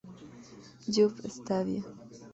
Juve Stabia.